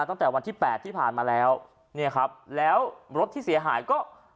ตั้งแต่วันที่แปดที่ผ่านมาแล้วเนี่ยครับแล้วรถที่เสียหายก็